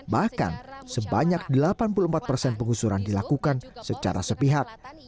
bahkan sebanyak delapan puluh empat persen pengusuran dilakukan secara sepihak